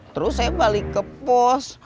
terus saya balik ke pos